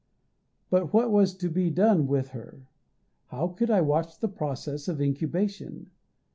But what was to be done with her? How could I watch the process of incubation?